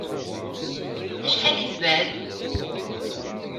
Acḥal i tebɛed?